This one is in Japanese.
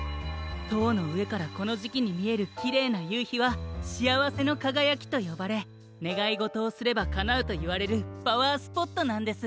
とうのうえからこのじきにみえるキレイなゆうひは「しあわせのかがやき」とよばれねがいごとをすればかなうといわれるパワースポットなんです。